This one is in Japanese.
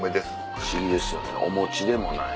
不思議ですよねお餅でもない。